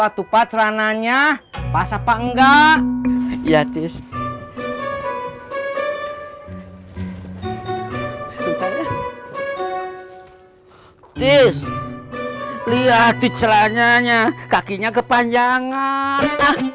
atuh pacarananya pas apa enggak ya tes tes lihat di celananya kakinya kepanjang ah